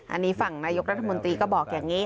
อันนี้ฝั่งนายกรัฐมนตรีก็บอกอย่างนี้